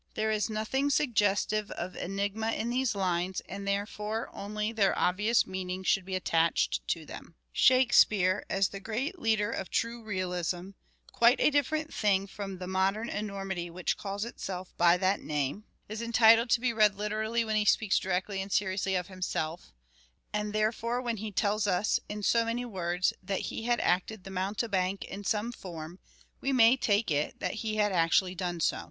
' There is nothing suggestive of enigma in these lines, and therefore, only their obvious meaning should be attached to them. " Shakespeare," as the great leader of true realism — quite a different thing from the modern enormity which calls itself by that name — is entitled to be read literally when he speaks directly and seriously of himself ; and therefore, when he tells us, in so many words, that he had acted the mounte bank in some form, we may take it that he had actually done so.